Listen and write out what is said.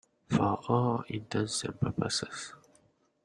For all intents and purposes.